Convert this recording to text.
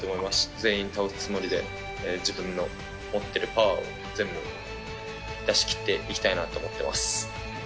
全員倒すつもりで、自分の持ってるパワーを全部出しきっていきたいなと思ってます。